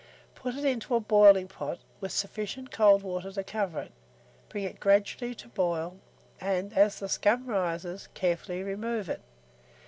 Put it into a boiling pot, with sufficient cold water to cover it; bring it gradually to boil, and as the scum rises, carefully remove it.